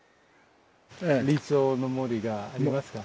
理想の森がありますか？